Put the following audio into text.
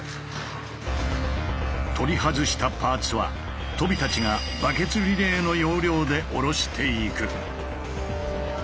取り外したパーツはとびたちがバケツリレーの要領で下ろしていく。